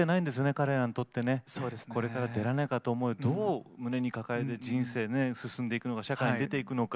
彼らにとってね。これから出られなかった思いをどう胸に抱えて人生ね進んでいくのか社会に出ていくのか。